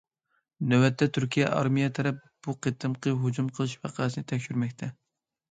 نۆۋەتتە، تۈركىيە ئارمىيە تەرەپ بۇ قېتىمقى ھۇجۇم قىلىش ۋەقەسىنى تەكشۈرمەكتە.